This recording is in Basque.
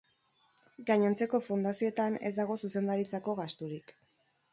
Gainontzeko fundazioetan ez dago zuzendaritzako gasturik.